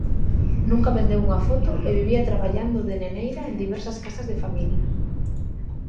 Nunca vendeu unha foto e vivía traballando de neneira en diversas casas de familia.